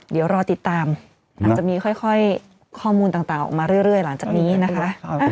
เดี๋ยวรอติดตามอาจจะมีค่อยข้อมูลต่างออกมาเรื่อยหลังจากนี้นะคะ